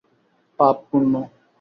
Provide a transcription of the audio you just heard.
পাপ, পুণ্য!